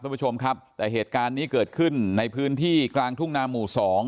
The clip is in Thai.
คุณผู้ชมครับแต่เหตุการณ์นี้เกิดขึ้นในพื้นที่กลางทุ่งนาหมู่สอง